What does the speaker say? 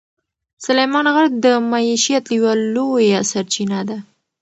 سلیمان غر د معیشت یوه لویه سرچینه ده.